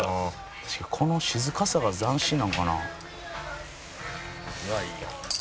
「この静かさが斬新なんかな？」